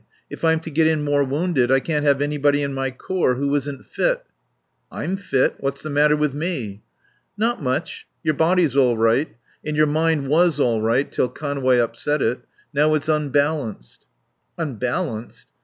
If I'm to get in more wounded I can't have anybody in my corps who isn't fit." "I'm fit. What's the matter with me?" "Not much. Your body's all right. And your mind was all right till Conway upset it. Now it's unbalanced." "Unbalanced?"